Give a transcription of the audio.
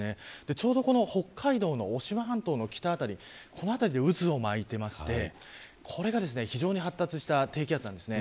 ちょうど北海道の渡島半島の北辺りで渦を巻いていましてこれが非常に発達した低気圧です。